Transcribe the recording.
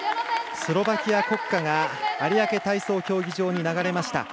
スロバキア国歌が有明体操競技場に流れました。